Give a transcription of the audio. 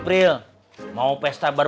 pril mau pesta hillah